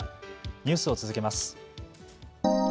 ニュースを続けます。